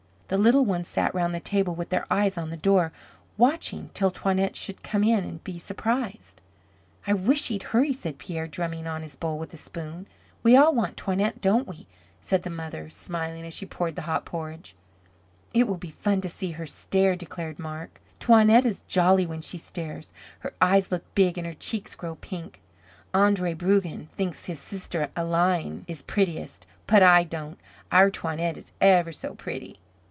The little ones sat round the table with their eyes on the door, watching till Toinette should come in and be surprised. "I wish she'd hurry," said Pierre, drumming on his bowl with a spoon. "We all want Toinette, don't we?" said the mother, smiling as she poured the hot porridge. "It will be fun to see her stare," declared Marc. "Toinette is jolly when she stares. Her eyes look big and her cheeks grow pink. Andre Brugen thinks his sister Aline is prettiest, but I don't. Our Toinette is ever so pretty."